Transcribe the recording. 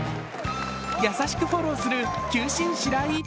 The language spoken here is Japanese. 優しくフォローする球審・白井。